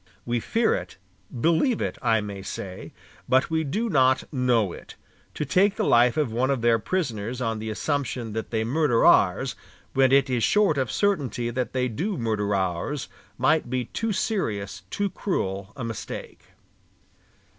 We fear it, believe it, I may say, but we do not know it. To take the life of one of their prisoners on the assumption that they murder ours, when it is short of certainty that they do murder ours, might be too serious, too cruel, a mistake."